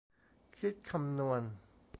คิดคำนวณ